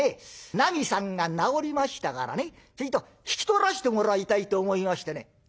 なみさんが治りましたからねちょいと引き取らしてもらいたいと思いましてね」。